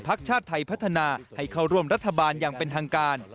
ชาติไทยพัฒนาให้เข้าร่วมรัฐบาลอย่างเป็นทางการ